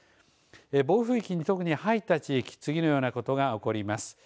暴風域に入った地域次のようなことが起こります。